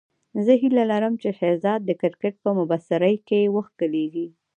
زه هیله لرم چې شهزاد د کرکټ په مبصرۍ کې وښکلېږي.